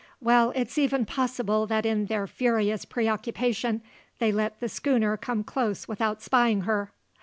"Well, it's even possible that in their furious preoccupation they let the schooner come close without spying her.